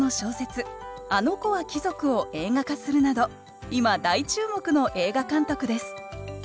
「あのこは貴族」を映画化するなど今大注目の映画監督です